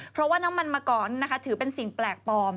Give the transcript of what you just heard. เพราะว่าน้ำมันมะกรถือเป็นสิ่งแปลกปลอม